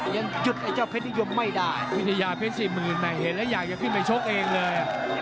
ยังหยุดไอเจ้าเพศนิยมไม่ได้วิทยาเพศสี่หมื่นมาเห็นแล้วอยากจะขึ้นไปชกเองเลย